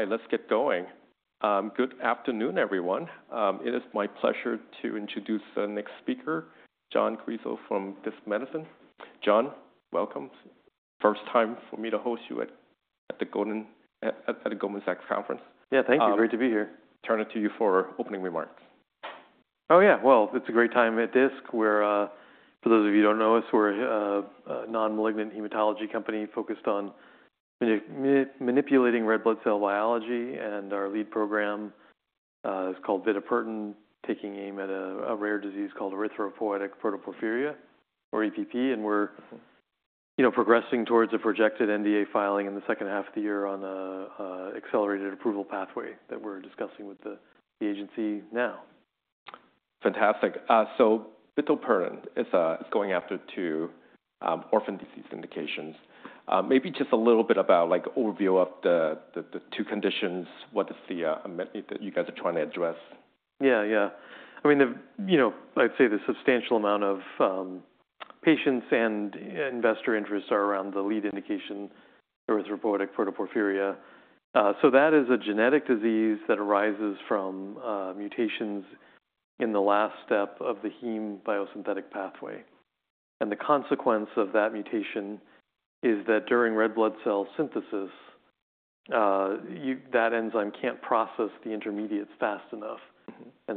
All right, let's get going. Good afternoon, everyone. It is my pleasure to introduce the next speaker, John Quisel from Disc Medicine. John, welcome. First time for me to host you at the Goldman Sachs Conference. Yeah, thank you. Great to be here. Turn it to you for opening remarks. Oh, yeah. It's a great time at Disc. For those of you who don't know us, we're a non-malignant hematology company focused on manipulating red blood cell biology. Our lead program is called bitopertin, taking aim at a rare disease called Erythropoietic Protoporphyria, or EPP. We're progressing towards a projected NDA filing in the second half of the year on an accelerated approval pathway that we're discussing with the agency now. Fantastic. So bitopertin is going after two orphan disease indications. Maybe just a little bit about overview of the two conditions, what is the metric that you guys are trying to address? Yeah, yeah. I mean, I'd say the substantial amount of patients and investor interests are around the lead indication, Erythropoietic Protoporphyria. That is a genetic disease that arises from mutations in the last step of the heme biosynthetic pathway. The consequence of that mutation is that during red blood cell synthesis, that enzyme can't process the intermediates fast enough.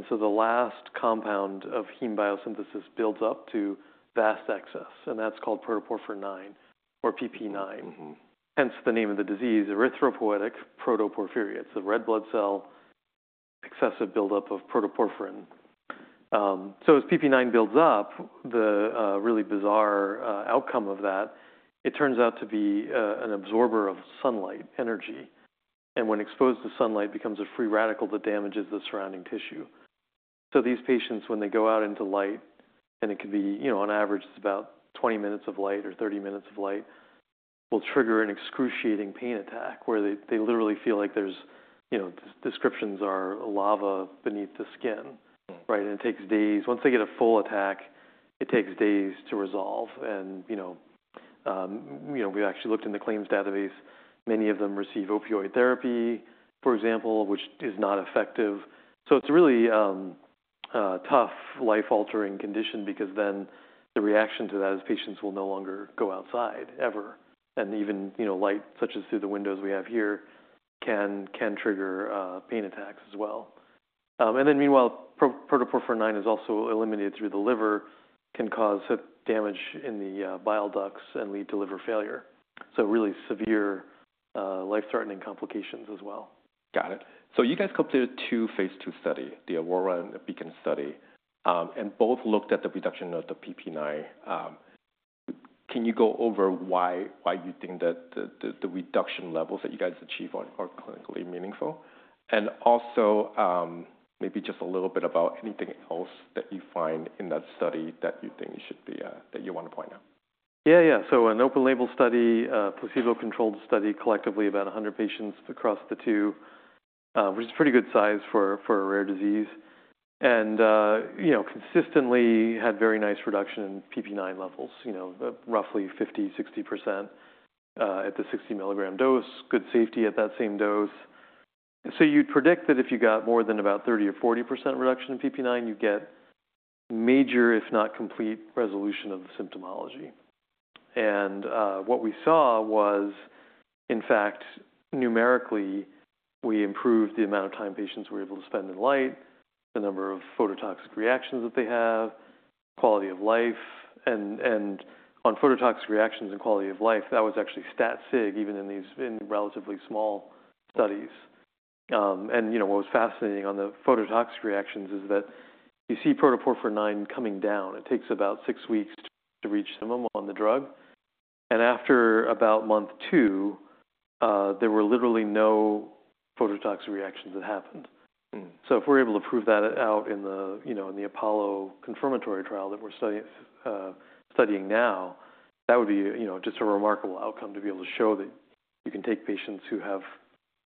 The last compound of heme biosynthesis builds up to vast excess. That's called protoporphyrin-IX, or PPIX. Hence the name of the disease, Erythropoietic Protoporphyria. It's a red blood cell, excessive buildup of protoporphyrin. As PPIX builds up, the really bizarre outcome of that, it turns out to be an absorber of sunlight energy. When exposed to sunlight, it becomes a free radical that damages the surrounding tissue. These patients, when they go out into light, and it could be, on average, about 20 minutes of light or 30 minutes of light, will trigger an excruciating pain attack where they literally feel like their descriptions are lava beneath the skin. It takes days, once they get a full attack, it takes days to resolve. We actually looked in the claims database. Many of them receive opioid therapy, for example, which is not effective. It is a really tough, life-altering condition because then the reaction to that is patients will no longer go outside ever. Even light, such as through the windows we have here, can trigger pain attacks as well. Meanwhile, protoporphyrin-IX is also eliminated through the liver, can cause damage in the bile ducts and lead to liver failure. Really severe, life-threatening complications as well. Got it. You guys completed two phase two studies, the Aurora and the Beacon study. Both looked at the reduction of the PPIX. Can you go over why you think that the reduction levels that you guys achieve are clinically meaningful? Also, maybe just a little bit about anything else that you find in that study that you think you should be, that you want to point out? Yeah, yeah. An open-label study, placebo-controlled study, collectively about 100 patients across the two, which is a pretty good size for a rare disease. Consistently had very nice reduction in PPIX levels, roughly 50%-60% at the 60 mg dose, good safety at that same dose. You'd predict that if you got more than about 30%-40% reduction in PPIX, you get major, if not complete, resolution of the symptomology. What we saw was, in fact, numerically, we improved the amount of time patients were able to spend in light, the number of phototoxic reactions that they have, quality of life. On phototoxic reactions and quality of life, that was actually stat-sig, even in these relatively small studies. What was fascinating on the phototoxic reactions is that you see protoporphyrin-IX coming down. It takes about six weeks to reach the minimum on the drug. After about month two, there were literally no phototoxic reactions that happened. If we're able to prove that out in the Apollo confirmatory trial that we're studying now, that would be just a remarkable outcome to be able to show that you can take patients who have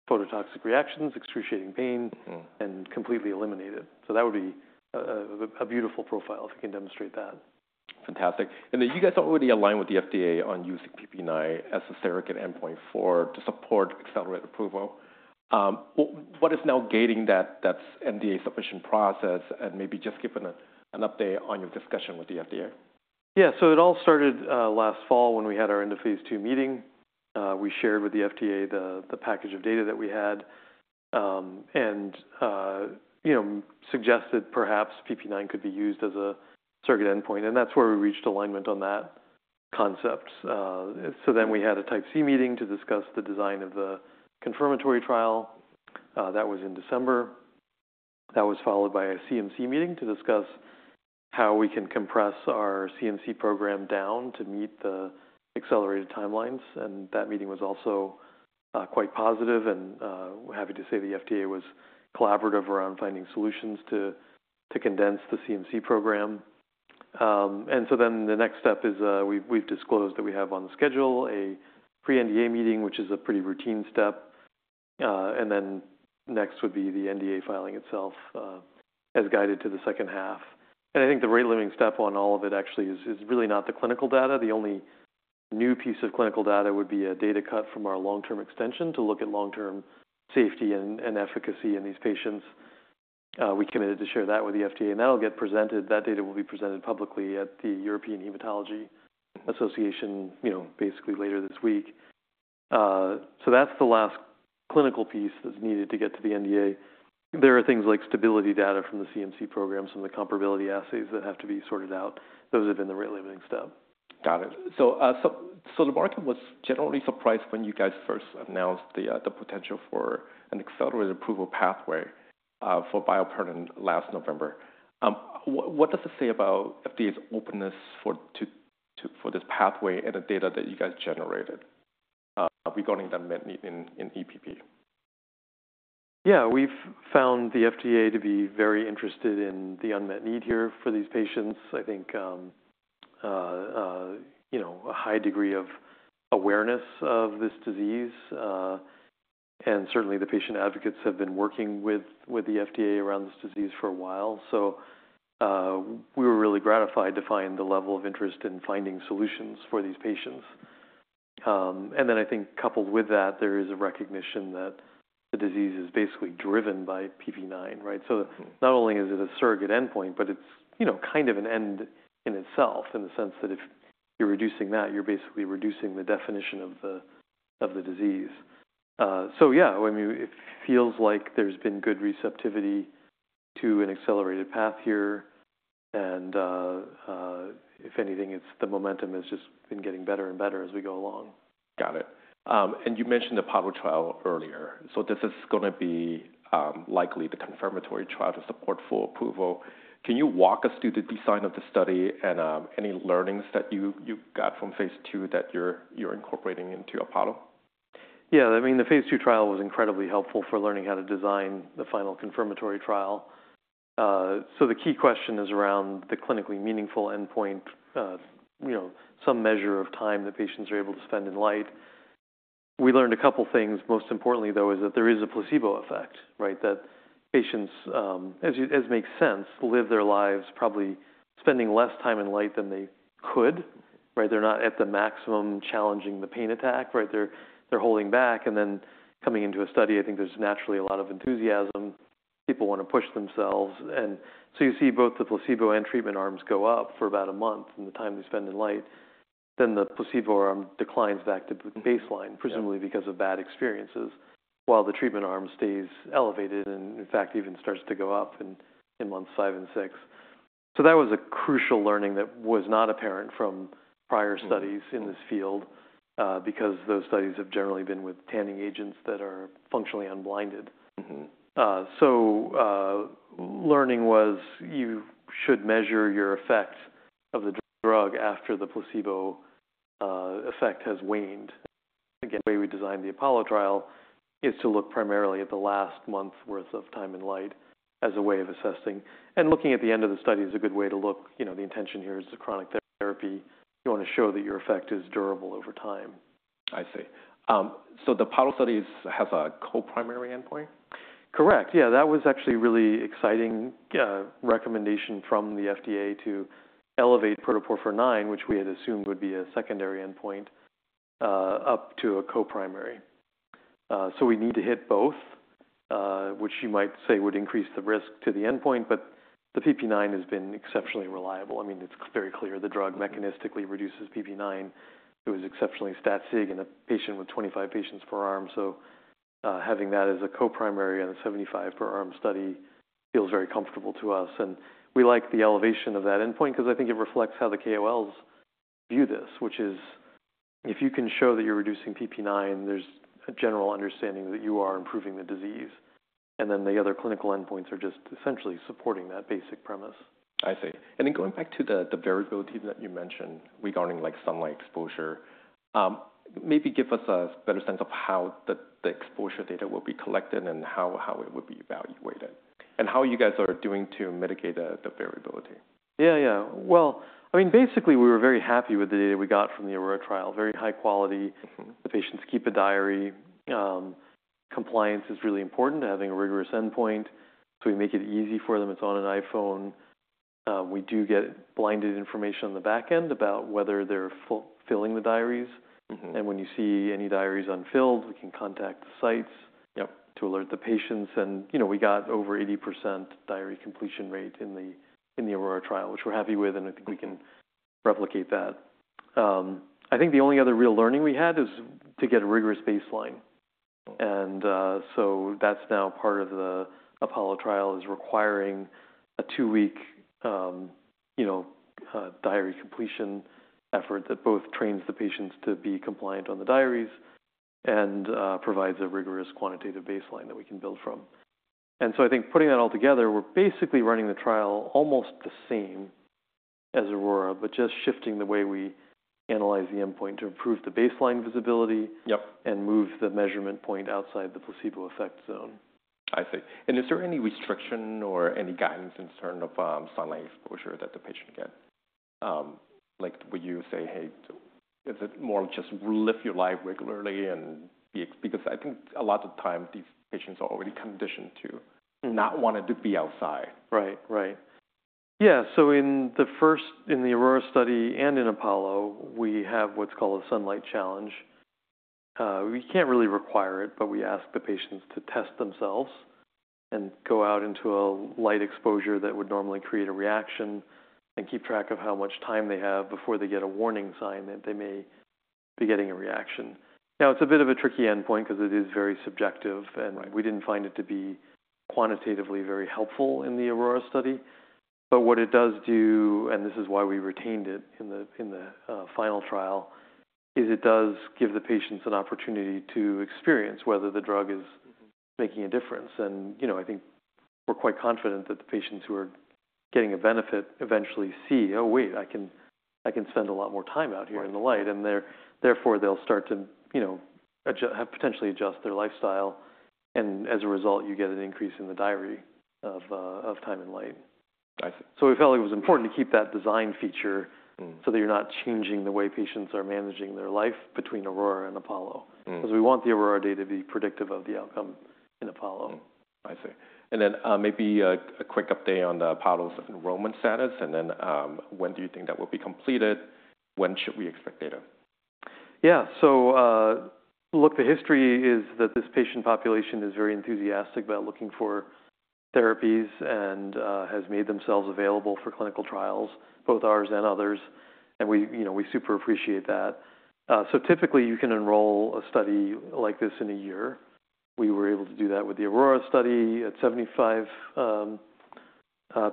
phototoxic reactions, excruciating pain, and completely eliminate it. That would be a beautiful profile if we can demonstrate that. Fantastic. You guys already align with the FDA on using PPIX as a surrogate endpoint to support accelerated approval. What is now gating that NDA submission process? Maybe just give an update on your discussion with the FDA? Yeah. So it all started last fall when we had our end-of-phase two meeting. We shared with the FDA the package of data that we had and suggested perhaps PPIX could be used as a surrogate endpoint. That is where we reached alignment on that concept. We had a Type C meeting to discuss the design of the confirmatory trial. That was in December. That was followed by a CMC meeting to discuss how we can compress our CMC program down to meet the accelerated timelines. That meeting was also quite positive. We are happy to say the FDA was collaborative around finding solutions to condense the CMC program. The next step is we have disclosed that we have on the schedule a pre-NDA meeting, which is a pretty routine step. Next would be the NDA filing itself as guided to the second half. I think the rate-limiting step on all of it actually is really not the clinical data. The only new piece of clinical data would be a data cut from our long-term extension to look at long-term safety and efficacy in these patients. We committed to share that with the FDA. That will get presented. That data will be presented publicly at the European Hematology Association basically later this week. That is the last clinical piece that is needed to get to the NDA. There are things like stability data from the CMC program, some of the comparability assays that have to be sorted out. Those have been the rate-limiting step. Got it. The market was generally surprised when you guys first announced the potential for an accelerated approval pathway for bitopertin last November. What does it say about FDA's openness for this pathway and the data that you guys generated regarding the unmet need in EPP? Yeah, we've found the FDA to be very interested in the unmet need here for these patients. I think a high degree of awareness of this disease. Certainly, the patient advocates have been working with the FDA around this disease for a while. We were really gratified to find the level of interest in finding solutions for these patients. I think coupled with that, there is a recognition that the disease is basically driven by PPIX, right? Not only is it a surrogate endpoint, but it's kind of an end in itself in the sense that if you're reducing that, you're basically reducing the definition of the disease. I mean, it feels like there's been good receptivity to an accelerated path here. If anything, the momentum has just been getting better and better as we go along. Got it. You mentioned the Apollo trial earlier. This is going to be likely the confirmatory trial to support full approval. Can you walk us through the design of the study and any learnings that you got from phase two that you're incorporating into Apollo? Yeah. I mean, the phase two trial was incredibly helpful for learning how to design the final confirmatory trial. The key question is around the clinically meaningful endpoint, some measure of time that patients are able to spend in light. We learned a couple of things. Most importantly, though, is that there is a placebo effect, right, that patients, as makes sense, live their lives probably spending less time in light than they could. They're not at the maximum challenging the pain attack. They're holding back. Coming into a study, I think there's naturally a lot of enthusiasm. People want to push themselves. You see both the placebo and treatment arms go up for about a month in the time they spend in light. The placebo arm declines back to baseline, presumably because of bad experiences, while the treatment arm stays elevated and, in fact, even starts to go up in month five and six. That was a crucial learning that was not apparent from prior studies in this field because those studies have generally been with tanning agents that are functionally unblinded. The learning was you should measure your effect of the drug after the placebo effect has waned. Again, the way we designed the Apollo trial is to look primarily at the last month's worth of time in light as a way of assessing. Looking at the end of the study is a good way to look. The intention here is chronic therapy. You want to show that your effect is durable over time. I see. So the Apollo study has a co-primary endpoint? Correct. Yeah. That was actually a really exciting recommendation from the FDA to elevate protoporphyrin-IX, which we had assumed would be a secondary endpoint, up to a co-primary. We need to hit both, which you might say would increase the risk to the endpoint. The PPIX has been exceptionally reliable. I mean, it's very clear the drug mechanistically reduces PPIX. It was exceptionally stat-sig in a patient with 25 patients per arm. Having that as a co-primary and a 75 per arm study feels very comfortable to us. We like the elevation of that endpoint because I think it reflects how the KOLs view this, which is if you can show that you're reducing PPIX, there's a general understanding that you are improving the disease. The other clinical endpoints are just essentially supporting that basic premise. I see. Going back to the variability that you mentioned regarding sunlight exposure, maybe give us a better sense of how the exposure data will be collected and how it would be evaluated and how you guys are going to mitigate the variability. Yeah, yeah. I mean, basically, we were very happy with the data we got from the Aurora trial. Very high quality. The patients keep a diary. Compliance is really important, having a rigorous endpoint. We make it easy for them. It's on an iPhone. We do get blinded information on the back end about whether they're filling the diaries. When you see any diaries unfilled, we can contact the sites to alert the patients. We got over 80% diary completion rate in the Aurora trial, which we're happy with. I think we can replicate that. I think the only other real learning we had is to get a rigorous baseline. That is now part of the Apollo trial, requiring a two-week diary completion effort that both trains the patients to be compliant on the diaries and provides a rigorous quantitative baseline that we can build from. I think putting that all together, we're basically running the trial almost the same as Aurora, but just shifting the way we analyze the endpoint to improve the baseline visibility and move the measurement point outside the placebo effect zone. I see. Is there any restriction or any guidance in terms of sunlight exposure that the patient gets? Like would you say, "Hey, is it more just live your life regularly?" I think a lot of times these patients are already conditioned to not wanting to be outside. Right, right. Yeah. In the first, in the Aurora study and in Apollo, we have what's called a sunlight challenge. We can't really require it, but we ask the patients to test themselves and go out into a light exposure that would normally create a reaction and keep track of how much time they have before they get a warning sign that they may be getting a reaction. Now, it's a bit of a tricky endpoint because it is very subjective. We didn't find it to be quantitatively very helpful in the Aurora study. What it does do, and this is why we retained it in the final trial, is it does give the patients an opportunity to experience whether the drug is making a difference. I think we're quite confident that the patients who are getting a benefit eventually see, "Oh, wait, I can spend a lot more time out here in the light." Therefore, they'll start to potentially adjust their lifestyle. As a result, you get an increase in the diary of time in light. We felt it was important to keep that design feature so that you're not changing the way patients are managing their life between Aurora and Apollo because we want the Aurora data to be predictive of the outcome in Apollo. I see. Maybe a quick update on the Apollo's enrollment status. When do you think that will be completed? When should we expect data? Yeah. So look, the history is that this patient population is very enthusiastic about looking for therapies and has made themselves available for clinical trials, both ours and others. We super appreciate that. Typically, you can enroll a study like this in a year. We were able to do that with the Aurora study at 75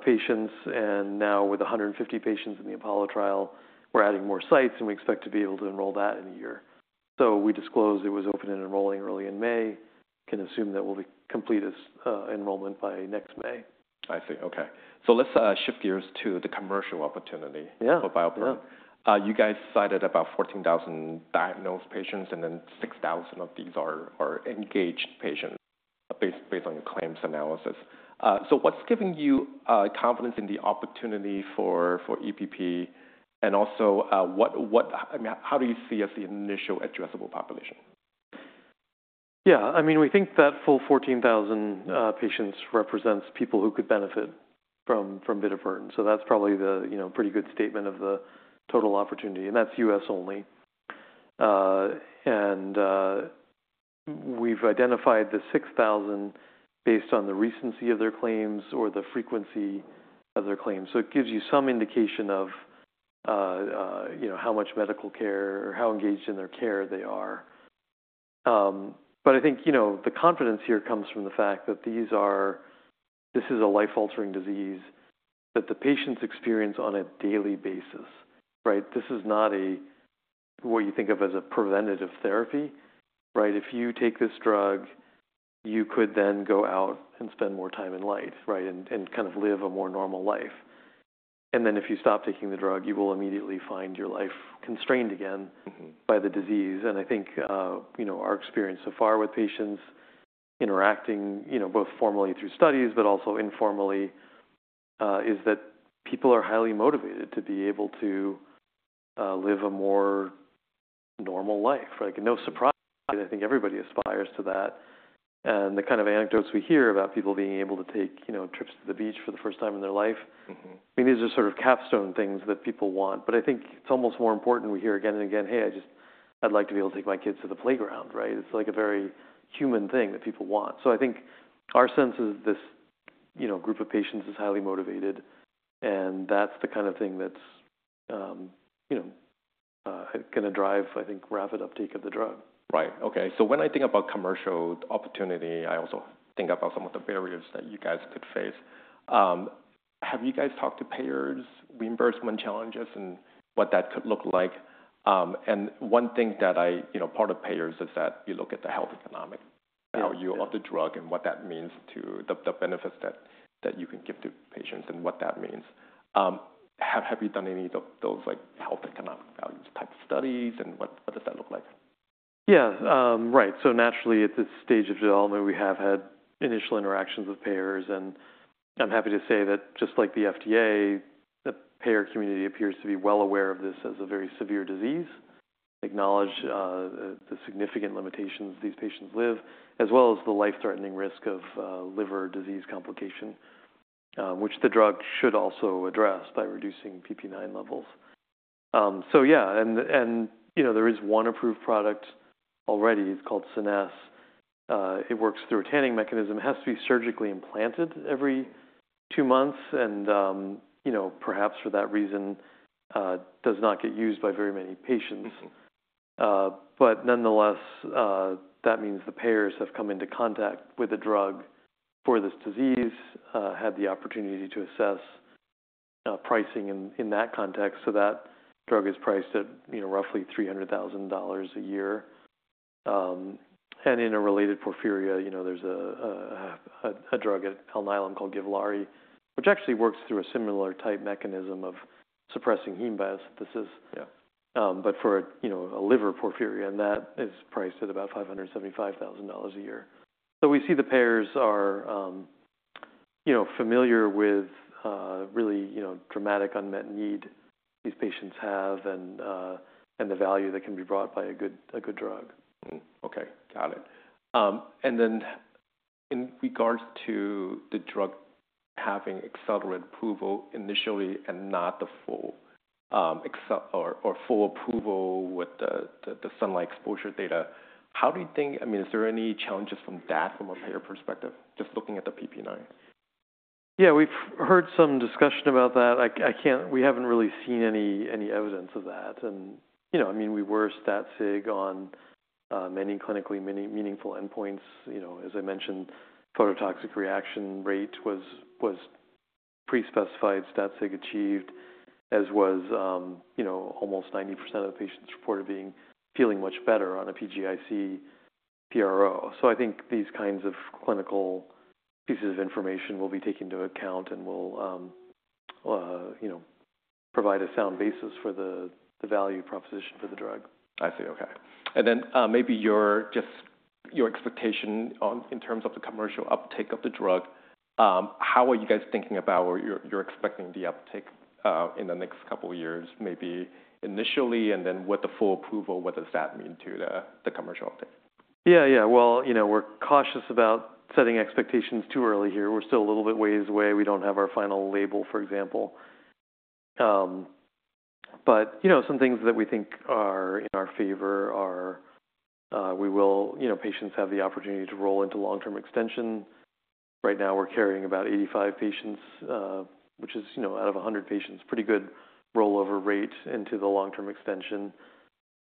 patients. Now with 150 patients in the Apollo trial, we're adding more sites, and we expect to be able to enroll that in a year. We disclosed it was open and enrolling early in May. You can assume that we'll complete enrollment by next May. I see. Okay. Let's shift gears to the commercial opportunity for bitopertin. You guys cited about 14,000 diagnosed patients, and then 6,000 of these are engaged patients based on your claims analysis. What's giving you confidence in the opportunity for EPP? Also, how do you see as the initial addressable population? Yeah. I mean, we think that full 14,000 patients represents people who could benefit from bitopertin. So that's probably the pretty good statement of the total opportunity. And that's U.S. only. And we've identified the 6,000 based on the recency of their claims or the frequency of their claims. So it gives you some indication of how much medical care or how engaged in their care they are. But I think the confidence here comes from the fact that this is a life-altering disease that the patients experience on a daily basis, right? This is not what you think of as a preventative therapy, right? If you take this drug, you could then go out and spend more time in light, right, and kind of live a more normal life. And then if you stop taking the drug, you will immediately find your life constrained again by the disease. I think our experience so far with patients interacting both formally through studies, but also informally, is that people are highly motivated to be able to live a more normal life. No surprise, I think everybody aspires to that. The kind of anecdotes we hear about people being able to take trips to the beach for the first time in their life, I mean, these are sort of capstone things that people want. I think it is almost more important we hear again and again, "Hey, I'd like to be able to take my kids to the playground," right? It is like a very human thing that people want. I think our sense is this group of patients is highly motivated. That is the kind of thing that is going to drive, I think, rapid uptake of the drug. Right. Okay. When I think about commercial opportunity, I also think about some of the barriers that you guys could face. Have you guys talked to payers, reimbursement challenges, and what that could look like? One thing that I, part of payers, is that you look at the health economic, the value of the drug, and what that means to the benefits that you can give to patients and what that means. Have you done any of those health economic values type studies? What does that look like? Yeah. Right. Naturally, at this stage of development, we have had initial interactions with payers. I'm happy to say that just like the FDA, the payer community appears to be well aware of this as a very severe disease, acknowledge the significant limitations these patients live, as well as the life-threatening risk of liver disease complication, which the drug should also address by reducing PPIX levels. Yeah. There is one approved product already. It's called Scenesse. It works through a tanning mechanism. It has to be surgically implanted every two months. Perhaps for that reason, does not get used by very many patients. Nonetheless, that means the payers have come into contact with the drug for this disease, had the opportunity to assess pricing in that context. That drug is priced at roughly $300,000 a year. In a related porphyria, there's a drug at Alnylam called Givlaari, which actually works through a similar type mechanism of suppressing heme biosynthesis, but for a liver porphyria. That is priced at about $575,000 a year. We see the payers are familiar with really dramatic unmet need these patients have and the value that can be brought by a good drug. Okay. Got it. In regards to the drug having accelerated approval initially and not the full approval with the sunlight exposure data, how do you think, I mean, is there any challenges from that from a payer perspective, just looking at the PPIX? Yeah. We've heard some discussion about that. We haven't really seen any evidence of that. I mean, we were stat-sig on many clinically meaningful endpoints. As I mentioned, phototoxic reaction rate was pre-specified, stat-sig achieved, as was almost 90% of the patients reported being feeling much better on a PGIC PRO. I think these kinds of clinical pieces of information will be taken into account and will provide a sound basis for the value proposition for the drug. I see. Okay. Maybe just your expectation in terms of the commercial uptake of the drug, how are you guys thinking about or you're expecting the uptake in the next couple of years, maybe initially, and then with the full approval, what does that mean to the commercial uptake? Yeah, yeah. We're cautious about setting expectations too early here. We're still a little bit ways away. We don't have our final label, for example. Some things that we think are in our favor are we will patients have the opportunity to roll into long-term extension. Right now, we're carrying about 85 patients, which is out of 100 patients, pretty good rollover rate into the long-term extension.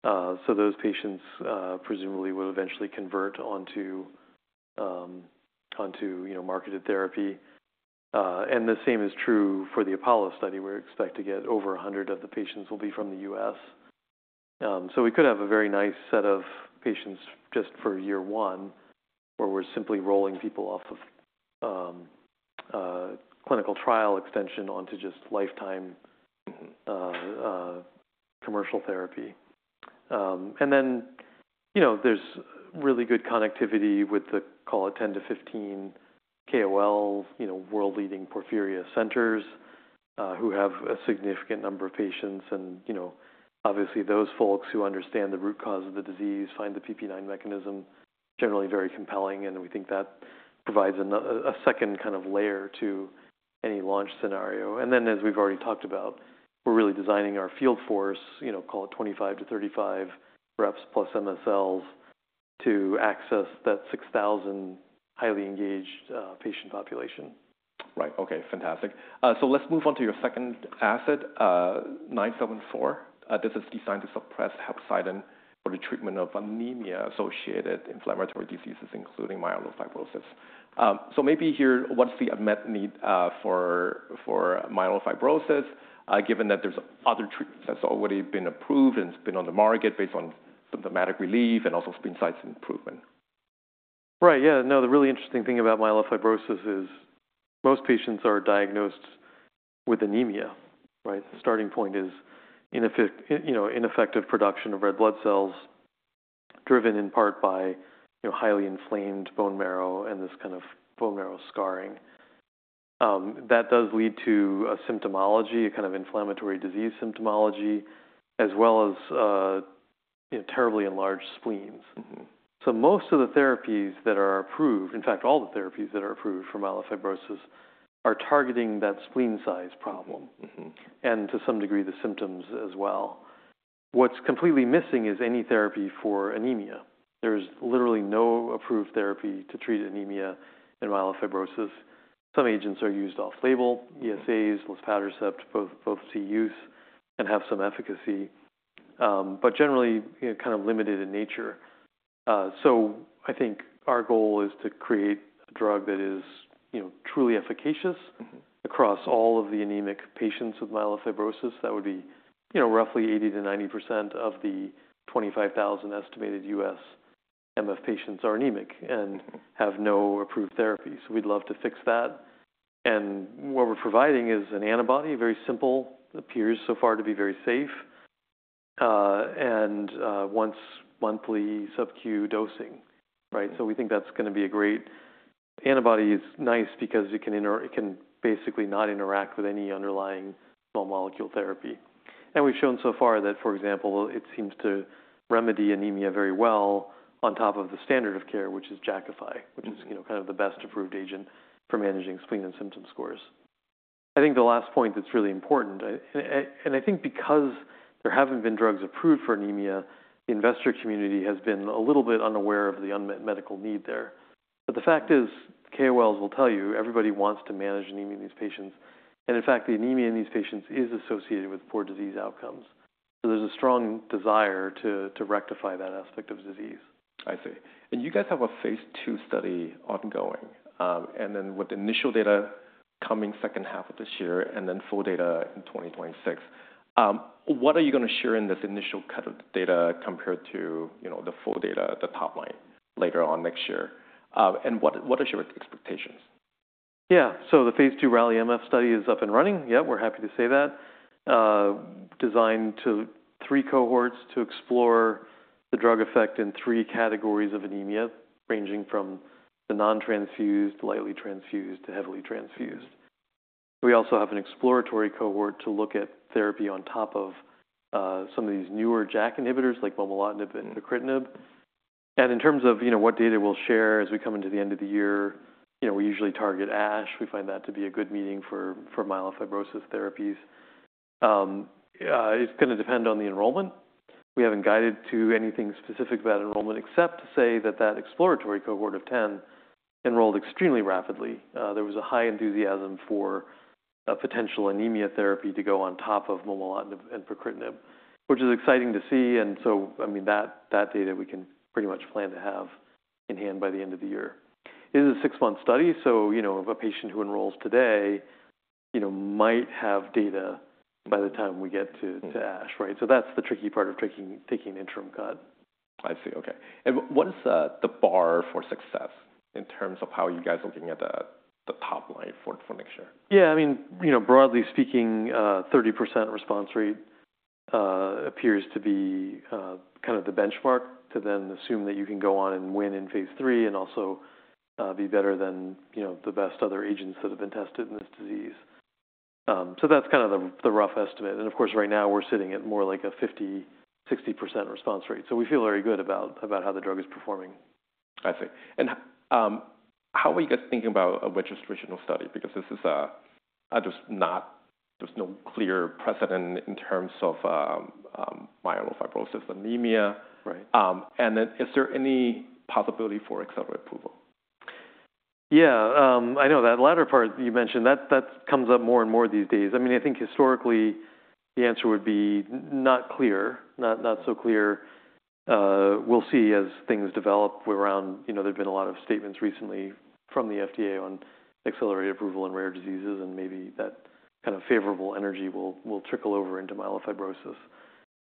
Those patients presumably will eventually convert onto marketed therapy. The same is true for the Apollo study. We expect to get over 100 of the patients will be from the U.S. We could have a very nice set of patients just for year one where we're simply rolling people off of clinical trial extension onto just lifetime commercial therapy. There is really good connectivity with the, call it, 10-15 KOL, world-leading porphyria centers who have a significant number of patients. Obviously, those folks who understand the root cause of the disease find the PPIX mechanism generally very compelling. We think that provides a second kind of layer to any launch scenario. As we have already talked about, we are really designing our field force, call it 25-35 reps plus MSLs, to access that 6,000 highly engaged patient population. Right. Okay. Fantastic. Let's move on to your second asset, DISC-0974. This is designed to suppress hepcidin for the treatment of anemia-associated inflammatory diseases, including myelofibrosis. Maybe here, what's the unmet need for myelofibrosis, given that there's other treatments that have already been approved and have been on the market based on symptomatic relief and also benign size improvement? Right. Yeah. No, the really interesting thing about myelofibrosis is most patients are diagnosed with anemia, right? The starting point is ineffective production of red blood cells driven in part by highly inflamed bone marrow and this kind of bone marrow scarring. That does lead to a symptomology, a kind of inflammatory disease symptomology, as well as terribly enlarged spleens. Most of the therapies that are approved, in fact, all the therapies that are approved for myelofibrosis are targeting that spleen size problem and to some degree the symptoms as well. What's completely missing is any therapy for anemia. There is literally no approved therapy to treat anemia in myelofibrosis. Some agents are used off-label, ESAs, luspatercept, both see use and have some efficacy, but generally kind of limited in nature. I think our goal is to create a drug that is truly efficacious across all of the anemic patients with myelofibrosis. That would be roughly 80-90% of the 25,000 estimated U.S. MF patients are anemic and have no approved therapy. We would love to fix that. What we are providing is an antibody, very simple, appears so far to be very safe, and once monthly Sub-Q dosing, right? We think that is going to be a great antibody. It is nice because it can basically not interact with any underlying small molecule therapy. We have shown so far that, for example, it seems to remedy anemia very well on top of the standard of care, which is Jakafi, which is kind of the best approved agent for managing spleen and symptom scores. I think the last point that's really important, and I think because there haven't been drugs approved for anemia, the investor community has been a little bit unaware of the unmet medical need there. The fact is, KOLs will tell you, everybody wants to manage anemia in these patients. In fact, the anemia in these patients is associated with poor disease outcomes. There is a strong desire to rectify that aspect of disease. I see. You guys have a phase two study ongoing, with initial data coming second half of this year and then full data in 2026. What are you going to share in this initial cut of data compared to the full data, the top line later on next year? What are your expectations? Yeah. The phase two RALLI MF study is up and running. Yeah, we're happy to say that. Designed to three cohorts to explore the drug effect in three categories of anemia, ranging from the non-transfused, lightly transfused, to heavily transfused. We also have an exploratory cohort to look at therapy on top of some of these newer JAK inhibitors like momelotinib and pacritinib. In terms of what data we'll share as we come into the end of the year, we usually target ASH. We find that to be a good meeting for myelofibrosis therapies. It's going to depend on the enrollment. We haven't guided to anything specific about enrollment, except to say that that exploratory cohort of 10 enrolled extremely rapidly. There was a high enthusiasm for potential anemia therapy to go on top of momelotinib and pacritinib, which is exciting to see. I mean, that data, we can pretty much plan to have in hand by the end of the year. It is a six-month study. A patient who enrolls today might have data by the time we get to ASH, right? That is the tricky part of taking interim cut. I see. Okay. What is the bar for success in terms of how you guys are looking at the top line for next year? Yeah. I mean, broadly speaking, 30% response rate appears to be kind of the benchmark to then assume that you can go on and win in phase three and also be better than the best other agents that have been tested in this disease. That is kind of the rough estimate. Of course, right now, we're sitting at more like a 50-60% response rate. We feel very good about how the drug is performing. I see. How are you guys thinking about a registration study? Because this is just not, there's no clear precedent in terms of myelofibrosis anemia. Is there any possibility for accelerated approval? Yeah. I know that latter part you mentioned, that comes up more and more these days. I mean, I think historically, the answer would be not clear, not so clear. We'll see as things develop around. There have been a lot of statements recently from the FDA on accelerated approval in rare diseases. Maybe that kind of favorable energy will trickle over into myelofibrosis.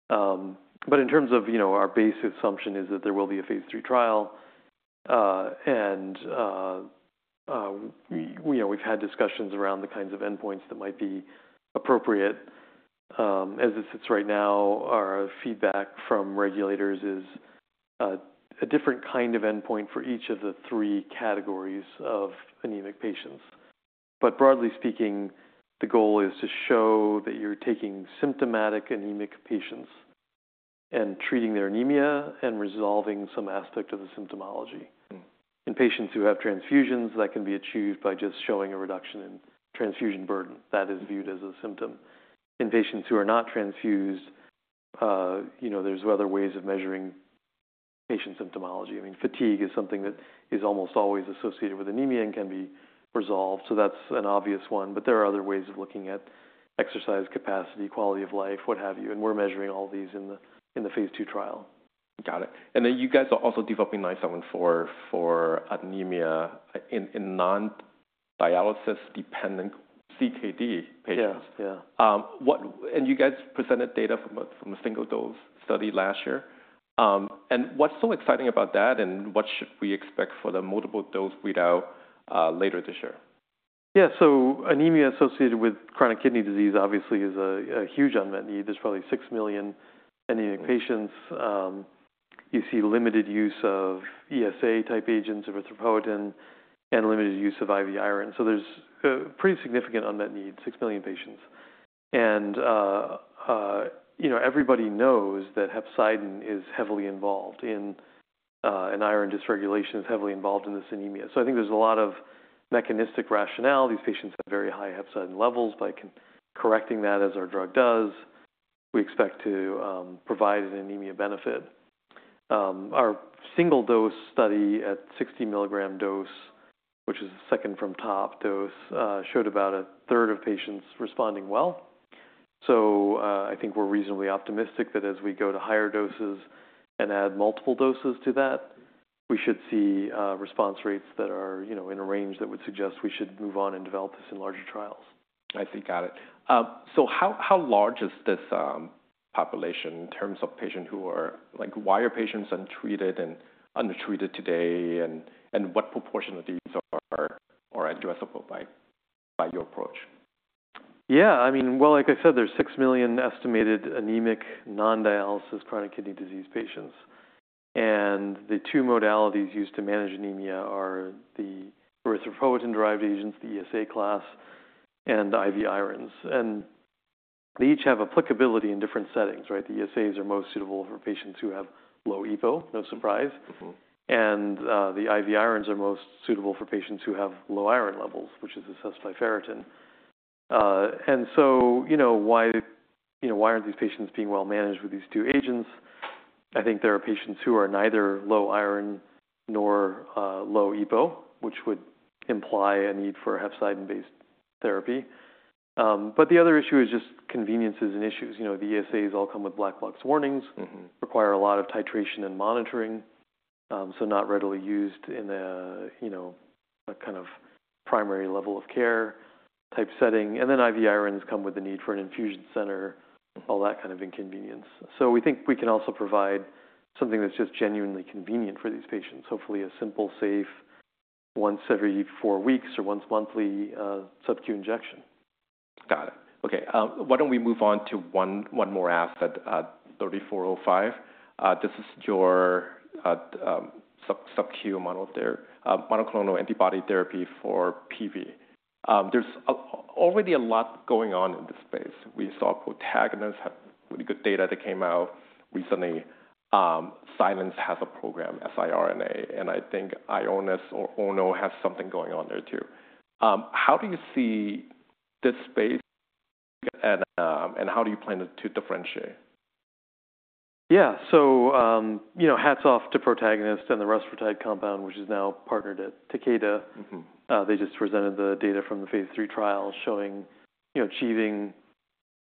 In terms of our base assumption, it is that there will be a phase three trial. We've had discussions around the kinds of endpoints that might be appropriate. As it sits right now, our feedback from regulators is a different kind of endpoint for each of the three categories of anemic patients. Broadly speaking, the goal is to show that you're taking symptomatic anemic patients and treating their anemia and resolving some aspect of the symptomology. In patients who have transfusions, that can be achieved by just showing a reduction in transfusion burden. That is viewed as a symptom. In patients who are not transfused, there's other ways of measuring patient symptomology. I mean, fatigue is something that is almost always associated with anemia and can be resolved. That's an obvious one. There are other ways of looking at exercise capacity, quality of life, what have you. We're measuring all these in the phase two trial. Got it. You guys are also developing DISC-0974 for anemia in non-dialysis dependent CKD patients. You guys presented data from a single dose study last year. What's so exciting about that? What should we expect for the multiple dose readout later this year? Yeah. Anemia associated with chronic kidney disease, obviously, is a huge unmet need. There's probably 6 million anemic patients. You see limited use of ESA-type agents, erythropoietin, and limited use of IV iron. There's a pretty significant unmet need, 6 million patients. Everybody knows that hepcidin is heavily involved in, and iron dysregulation is heavily involved in, this anemia. I think there's a lot of mechanistic rationale. These patients have very high hepcidin levels. By correcting that, as our drug does, we expect to provide an anemia benefit. Our single dose study at 60 mg dose, which is the second from top dose, showed about a third of patients responding well. I think we're reasonably optimistic that as we go to higher doses and add multiple doses to that, we should see response rates that are in a range that would suggest we should move on and develop this in larger trials. I see. Got it. How large is this population in terms of patients? Why are patients untreated and undertreated today? What proportion of these are addressable by your approach? Yeah. I mean, like I said, there are 6 million estimated anemic non-dialysis chronic kidney disease patients. The two modalities used to manage anemia are the erythropoietin-derived agents, the ESA class, and IV irons. They each have applicability in different settings, right? The ESAs are most suitable for patients who have low EPO, no surprise. The IV irons are most suitable for patients who have low iron levels, which is assessed by ferritin. Why are these patients not being well managed with these two agents? I think there are patients who are neither low iron nor low EPO, which would imply a need for hepcidin-based therapy. The other issue is just conveniences and issues. The ESAs all come with black box warnings, require a lot of titration and monitoring, so not readily used in a kind of primary level of care type setting. IV irons come with the need for an infusion center, all that kind of inconvenience. We think we can also provide something that's just genuinely convenient for these patients, hopefully a simple, safe once every four weeks or once monthly Sub-Q injection. Got it. Okay. Why don't we move on to one more asset, DISC-3405? This is your Sub-Q monoclonal antibody therapy for PV. There's already a lot going on in this space. We saw Protagonist, really good data that came out recently. Silence has a program, siRNA. And I think Ionis or Ono has something going on there too. How do you see this space? And how do you plan to differentiate? Yeah. Hats off to Protagonist and the rusfertide compound, which is now partnered at Takeda. They just presented the data from the phase three trial showing achieving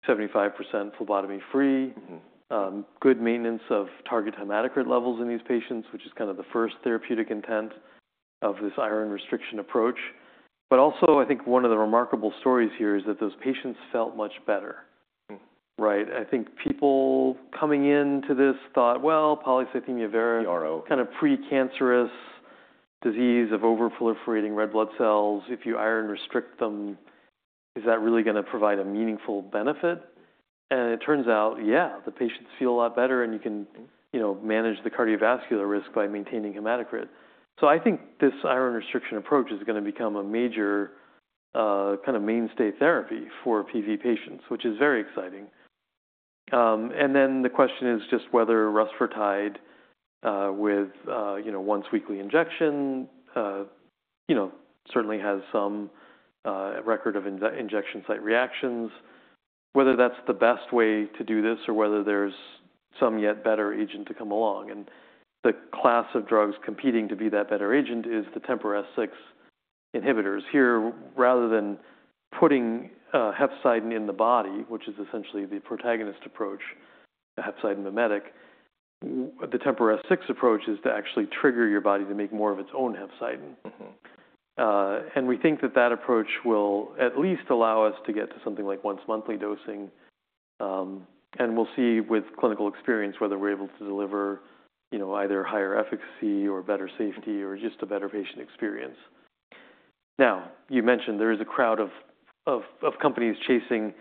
75% phlebotomy-free, good maintenance of target hematocrit levels in these patients, which is kind of the first therapeutic intent of this iron restriction approach. Also, I think one of the remarkable stories here is that those patients felt much better, right? I think people coming into this thought, "Well, polycythemia vera, kind of precancerous disease of overproliferating red blood cells. If you iron restrict them, is that really going to provide a meaningful benefit?" It turns out, yeah, the patients feel a lot better. You can manage the cardiovascular risk by maintaining hematocrit. I think this iron restriction approach is going to become a major kind of mainstay therapy for PV patients, which is very exciting. The question is just whether rusfertide with once weekly injection certainly has some record of injection site reactions, whether that's the best way to do this or whether there's some yet better agent to come along. The class of drugs competing to be that better agent is the TMPRSS6 inhibitors. Here, rather than putting hepcidin in the body, which is essentially the Protagonist approach, hepcidin-mimetic, the TMPRSS6 approach is to actually trigger your body to make more of its own hepcidin. We think that that approach will at least allow us to get to something like once monthly dosing. We'll see with clinical experience whether we're able to deliver either higher efficacy or better safety or just a better patient experience. You mentioned there is a crowd of companies chasing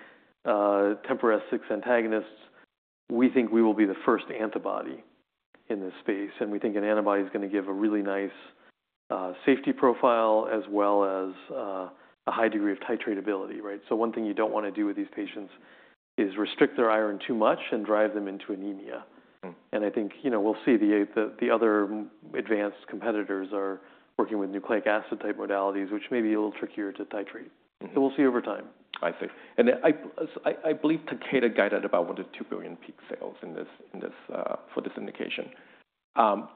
TMPRSS6 antagonists. We think we will be the first antibody in this space. We think an antibody is going to give a really nice safety profile as well as a high degree of titratability, right? One thing you do not want to do with these patients is restrict their iron too much and drive them into anemia. I think we will see the other advanced competitors are working with nucleic acid-type modalities, which may be a little trickier to titrate. We will see over time. I see. I believe Takeda guided about $1 billion-$2 billion peak sales for this indication.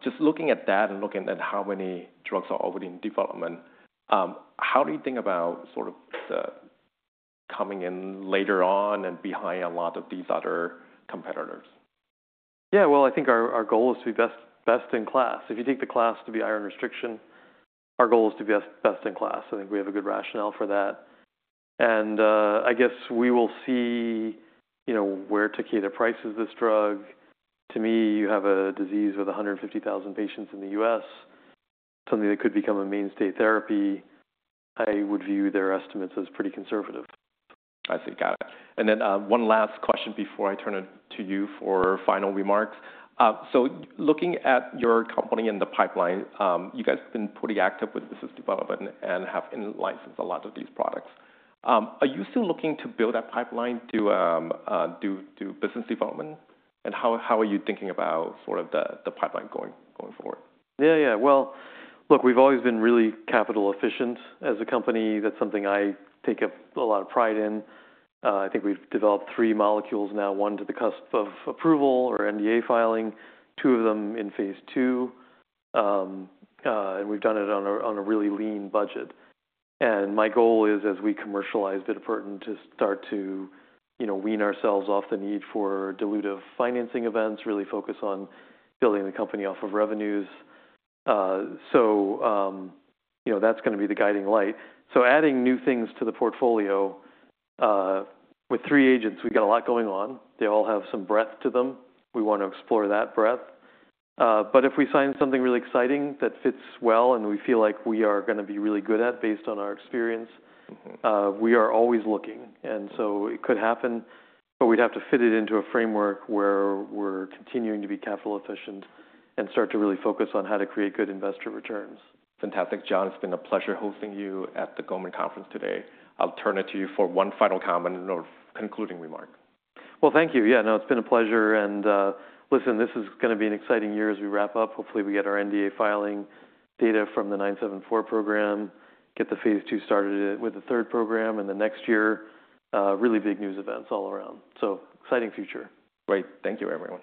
Just looking at that and looking at how many drugs are already in development, how do you think about sort of the coming in later on and behind a lot of these other competitors? Yeah. I think our goal is to be best in class. If you take the class to be iron restriction, our goal is to be best in class. I think we have a good rationale for that. I guess we will see where Takeda prices this drug. To me, you have a disease with 150,000 patients in the U.S., something that could become a mainstay therapy. I would view their estimates as pretty conservative. I see. Got it. One last question before I turn it to you for final remarks. Looking at your company and the pipeline, you guys have been pretty active with business development and have licensed a lot of these products. Are you still looking to build that pipeline to do business development? How are you thinking about sort of the pipeline going forward? Yeah, yeah. Look, we've always been really capital efficient as a company. That's something I take a lot of pride in. I think we've developed three molecules now, one to the cusp of approval or NDA filing, two of them in phase two. We've done it on a really lean budget. My goal is, as we commercialize bitopertin, to start to wean ourselves off the need for dilutive financing events, really focus on building the company off of revenues. That's going to be the guiding light. Adding new things to the portfolio with three agents, we've got a lot going on. They all have some breadth to them. We want to explore that breadth. If we find something really exciting that fits well and we feel like we are going to be really good at based on our experience, we are always looking. It could happen, but we'd have to fit it into a framework where we're continuing to be capital efficient and start to really focus on how to create good investor returns. Fantastic, John. It's been a pleasure hosting you at the Goldman Sachs Conference today. I'll turn it to you for one final comment or concluding remark. Thank you. Yeah. No, it's been a pleasure. Listen, this is going to be an exciting year as we wrap up. Hopefully, we get our NDA filing data from the 0974 program, get the phase two started with the third program, and then next year, really big news events all around. Exciting future. Great. Thank you, everyone.